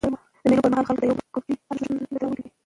د مېلو پر مهال خلک د یو بل کلتوري ارزښتو ته درناوی کوي.